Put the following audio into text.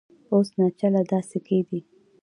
اوس ناچله دا سکې دي